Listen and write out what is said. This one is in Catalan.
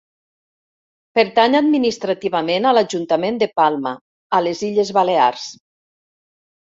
Pertany administrativament a l'Ajuntament de Palma, a les Illes Balears.